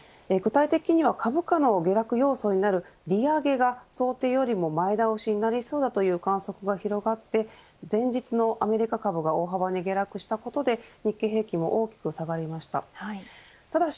具体的には株価の下落要素になる利上げが想定よりも前倒しになりそうだという観測が広がって前日のアメリカ株が大幅に下落したことで日経平均も大きく下がりました。